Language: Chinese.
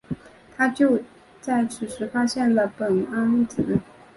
他就在此时发现了苯胺紫。